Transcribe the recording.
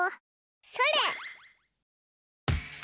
それ！